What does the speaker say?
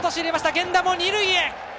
源田も二塁へ。